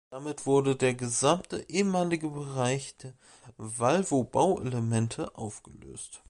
Damit wurde der gesamte ehemalige Bereich der Valvo-Bauelemente aufgelöst.